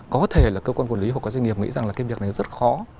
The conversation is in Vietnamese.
có thể là cơ quan quản lý hoặc có doanh nghiệp nghĩ rằng là cái việc này rất khó